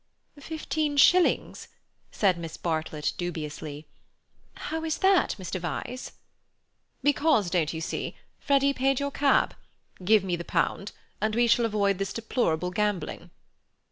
"Fifteen shillings," said Miss Bartlett dubiously. "How is that, Mr. Vyse?" "Because, don't you see, Freddy paid your cab. Give me the pound, and we shall avoid this deplorable gambling."